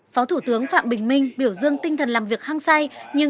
phó thủ tướng phạm bình minh viểu dương tinh thần làm việc hung say